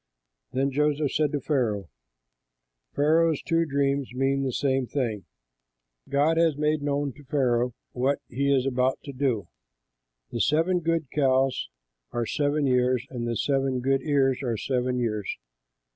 Then Joseph said to Pharaoh, "Pharaoh's two dreams mean the same thing; God has made known to Pharaoh what he is about to do. The seven good cows are seven years, and the seven good ears are seven years.